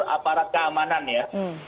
aparat keamanan ya